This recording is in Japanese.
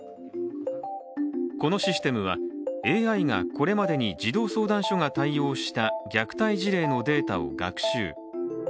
このシステムは、ＡＩがこれまでに児童相談所が対応した虐待事例のデータを学習。